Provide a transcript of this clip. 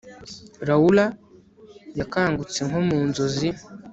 Laura yakangutse nko mu nzozi